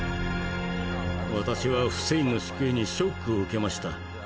私はフセインの死刑にショックを受けました。